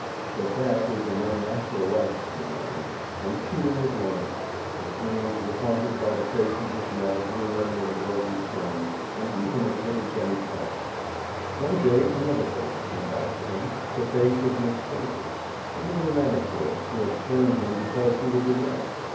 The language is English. But that is an unnatural life for a man, and Peter was lonely, his dreams were haunted by the faces of Nell Doolin and Rosie Stern, and even of little Jennie Todd. One day another face came back to him, the face of Miss Frisbie, the little manicurist who had spurned him because he was a Red.